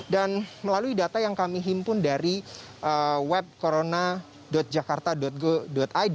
dan melalui data yang kami himpun dari web corona jakarta go id